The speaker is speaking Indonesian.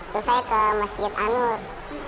terus saya ke masjid anur